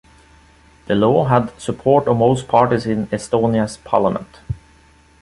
The law had the support of most parties in Estonia's Parliament.